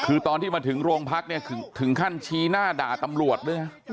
คือตอนที่มาถึงโรงพักเนี่ยถึงขั้นชี้หน้าด่าตำรวจด้วยนะ